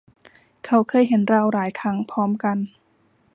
เขาเคยเห็นเราหลายครั้งพร้อมกัน